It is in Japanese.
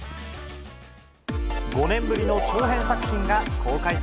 ５年ぶりの長編作品が公開さ